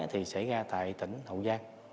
thì xảy ra tại tỉnh hậu giang